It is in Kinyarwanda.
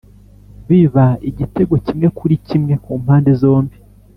biba igitego kimwe kuri kimwe ku mpande zombi